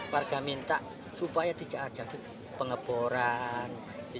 warga minta supaya tidak ada pengeboran